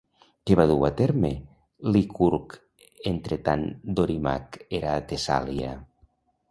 Què va dur a terme Licurg entretant Dorimac era a Tessàlia?